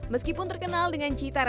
meskipun terkenal dengan cita rajinya